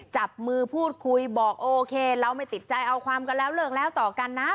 จับมือพูดคุยบอกโอเคเราไม่ติดใจเอาความกันแล้วเลิกแล้วต่อกันนะ